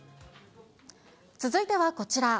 続いてはこちら。